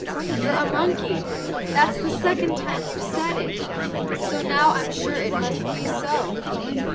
You're a monkey. That's the second time you've said it, so now I'm sure it must be so.